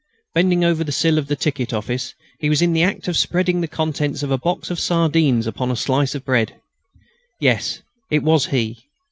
Bending over the sill of the ticket office, he was in the act of spreading the contents of a box of sardines upon a slice of bread. Yes, it was he.